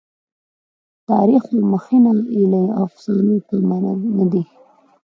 تاریخ او مخینه یې له افسانو کمه نه ده.